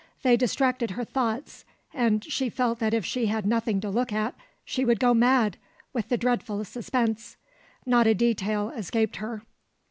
They distracted her thoughts and she felt that if she had nothing to look at she would go mad with the dreadful suspense. Not a detail escaped her.